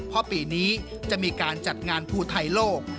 เพราะปีนี้จะมีการจัดงานภูไทยโลก